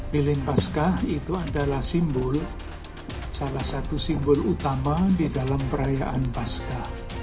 lilin paskah itu adalah simbol salah satu simbol utama di dalam perayaan pasca